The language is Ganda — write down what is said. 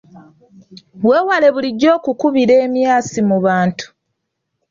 Weewale bulijjo okukubira emyasi mu bantu.